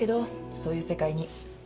そういう世界に。